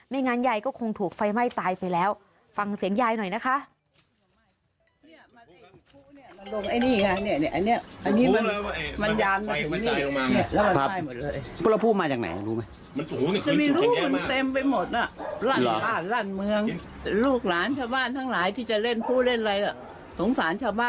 งั้นยายก็คงถูกไฟไหม้ตายไปแล้วฟังเสียงยายหน่อยนะคะ